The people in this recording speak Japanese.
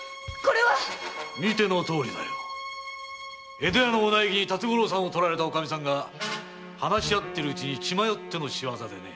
江戸屋のお内儀に辰五郎さんをとられたおかみさんが話し合ってるうちに血迷っての仕業でね。